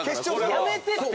やめてって！